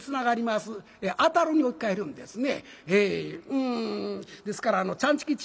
「摺る」を「当たる」に置き換えるんですね。